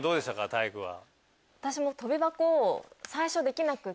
体育は。